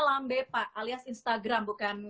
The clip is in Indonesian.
lambe pak alias instagram bukan